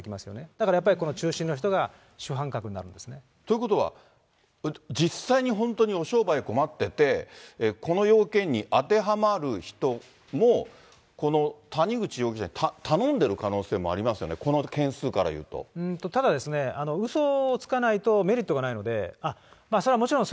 だからやっぱりこの中心の人が主犯格になるんですね。ということは、実際に本当にお商売困ってて、この要件に当てはまる人も、この谷口容疑者に頼んでる可能性もありますよね、ただですね、うそをつかないと、メリットがないので、それはもちろん、